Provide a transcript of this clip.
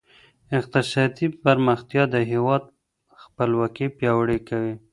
اقتصادي پرمختيا د هېواد خپلواکي پياوړې کوي.